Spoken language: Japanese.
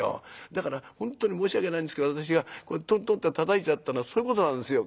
だから本当に申し訳ないんですけど私がトントンってたたいちゃったのはそういうことなんですよ。